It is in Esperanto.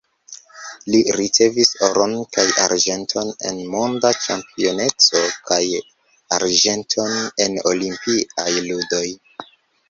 Li ricevis oron kaj arĝenton en monda ĉampioneco kaj arĝenton en olimpiaj ludoj.